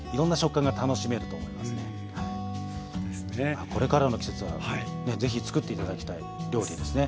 まあこれからの季節はね是非作って頂きたい料理ですね。